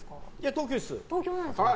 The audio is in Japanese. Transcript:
東京です。